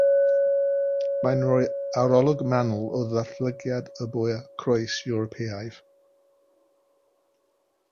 Mae'n rhoi arolwg manwl o ddatblygiad y bwa croes Ewropeaidd.